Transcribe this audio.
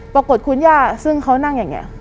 ปรากฏคุณย่าซึ่งเขานั่งอย่างนี้